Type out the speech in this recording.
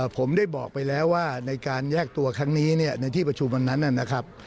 ผมได้บอกไปแล้วว่าในการแยกตัวครั้งนี้ในที่ประชุมวันนั้นนะครับ